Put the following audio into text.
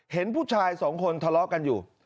เห็นผู้ชายสองคนทะเลาะกันอยู่